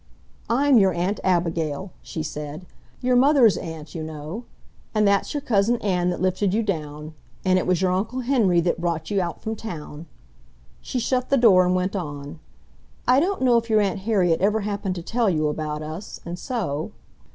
"I'm your Aunt Abigail," she said. "Your mother's aunt, you know. And that's your Cousin Ann that lifted you down, and it was your Uncle Henry that brought you out from town." She shut the door and went on, "I don't know if your Aunt Harriet ever happened to tell you about us, and so